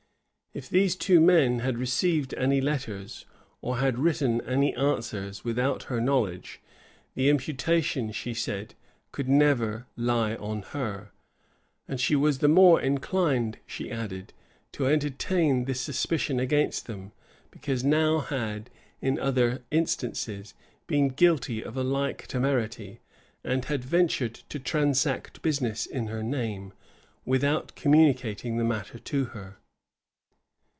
If these two men had received any letters, or had written any answers, without her knowledge, the imputation, she said, could never lie on her. And she was the more inclined, she added, to entertain this suspicion against them, because Nau had, in other instances, been guilty of a like temerity, and had ventured to transact business in her name, without communicating the matter to her.